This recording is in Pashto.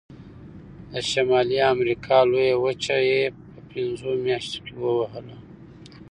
د شمالي امریکا لویه وچه یې په پنځو میاشتو کې ووهله.